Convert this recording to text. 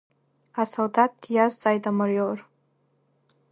Асолдаҭ диазҵааит амаиор.